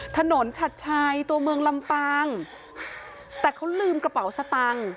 ฉัดชัยตัวเมืองลำปางแต่เขาลืมกระเป๋าสตังค์